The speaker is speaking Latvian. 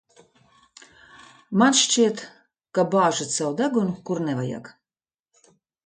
Man šķiet, ka bāžat savu degunu, kur nevajag.